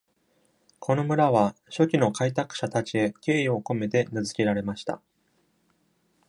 この村は初期の開拓者たちへ敬意を込めて名付けられました。